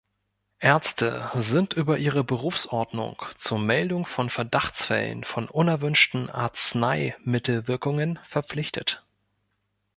Ärzte sind über ihre Berufsordnung zur Meldung von Verdachtsfällen von unerwünschten Arzneimittelwirkungen verpflichtet.